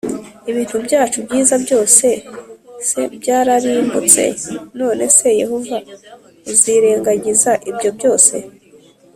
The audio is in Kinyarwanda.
ibintu byacu byiza byose c byararimbutse None se Yehova uzirengagiza ibyo byose